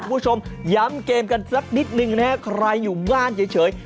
คุณผู้ชมย้ำเกมกันสักนิดนึงนะครับใครอยู่บ้านเฉย